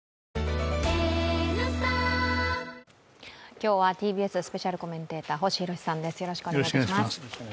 今日はＴＢＳスペシャルコメンテーター、星浩さんです。